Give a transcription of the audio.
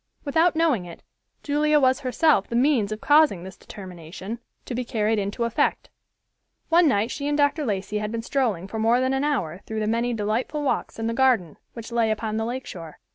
Without knowing it, Julia was herself the means of causing this determination to be carried into effect. One night she and Dr. Lacey had been strolling for more than an hour through the many delightful walks in the garden, which lay upon the lake shore.